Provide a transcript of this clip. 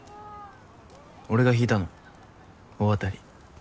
俺が引いたの大当たり。